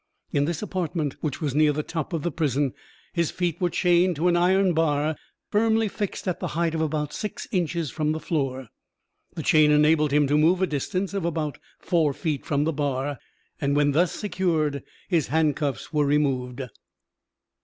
In this apartment, which was near the top of the prison, his feet were chained to an iron bar firmly fixed at the height of about six inches from the floor. The chain enabled him to move a distance of about four feet from the bar, and when thus secured his handcuffs were removed.